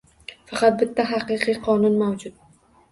Faqat bitta haqiqiy qonun mavjud.